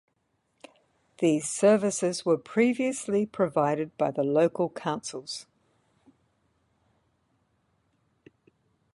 These services were previously provided by the local councils.